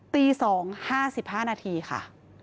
ตี๒๕๕นาทีค่ะ